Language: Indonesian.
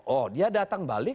oh dia datang balik